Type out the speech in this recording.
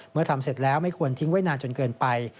ทำเสร็จแล้วไม่ควรทิ้งไว้นานจนเกินไป